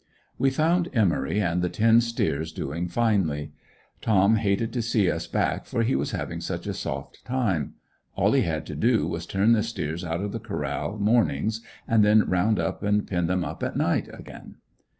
We found Emory and the ten steers doing finely. Tom hated to see us back for he was having such a soft time. All he had to do was turn the steers out of the corral, mornings, and then round up and pen them at night again.